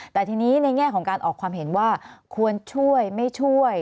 แต่ทีนี้ในแง่ของการออกความเห็นว่าควรช่วยไม่ช่วย